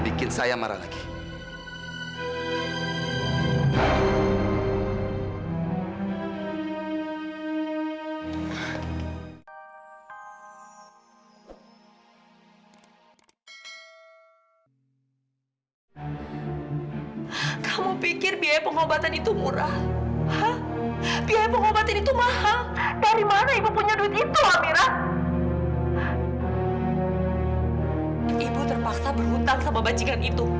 ibu terpaksa berhutang sama bajikan itu